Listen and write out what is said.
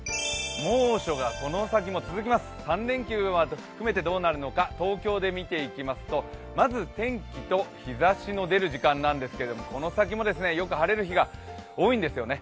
猛暑がこのあとも続きます、３連休含めてどうなるのか東京で見ていきますと、まず天気と日ざしの出る時間なんですけども、この先もよく晴れる日が多いんですよね。